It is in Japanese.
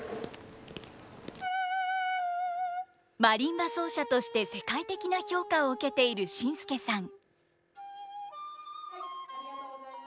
マリンバ奏者として世界的な評価を受けているＳＩＮＳＫＥさん。